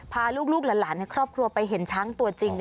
พาลูกหลานในครอบครัวไปเห็นช้างตัวจริง